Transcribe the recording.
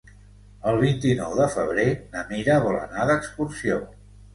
El vint-i-nou de febrer na Mira vol anar d'excursió.